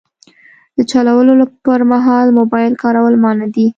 د چلولو پر مهال موبایل کارول منع دي.